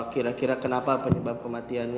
kira kira kenapa penyebab kematian